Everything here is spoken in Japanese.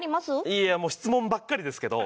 いやもう質問ばっかりですけど。